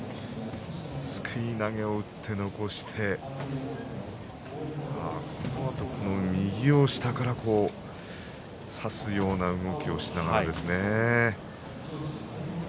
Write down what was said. すくい投げを打って残してこのあと右を下から差すような動きをしたんですね。